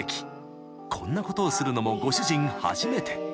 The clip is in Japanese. ［こんなことをするのもご主人初めて］